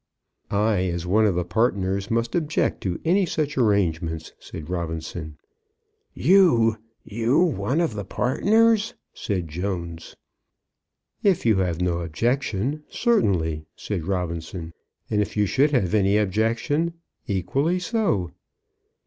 "I, as one of the partners, must object to any such arrangements," said Robinson. "You! you one of the partners!" said Jones. "If you have no objection certainly!" said Robinson. "And if you should have any objection, equally so."